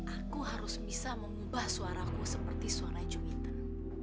aku harus bisa mengubah suaraku seperti suara jumitan